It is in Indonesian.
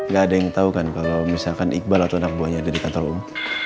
gak ada yang tau kan kalau misalkan iqbal atau anak buahnya ada di kantor om